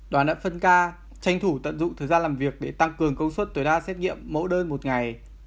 đoàn đã phân ca tranh thủ tận dụng thời gian làm việc để tăng cường công suất tối đa xét nghiệm mẫu đơn một ngày